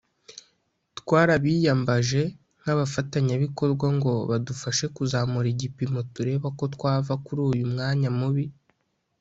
twarabiyambaje nk’abafatanyabikorwa ngo badufashe kuzamura igipimo tureba ko twava kuri uyu mwanya mubi